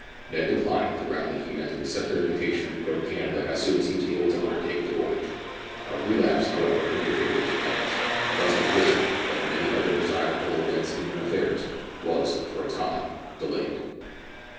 Ned declined, on the ground that he meant to accept their invitation and go to Canada as soon as he was able to undertake the voyage. A relapse, however, interfered with his plans, and thus the visit, like many other desirable events in human affairs, was, for a time, delayed.